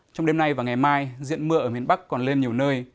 trong đêm nay và ngày mai diện mưa ở miền bắc còn lên nhiều nơi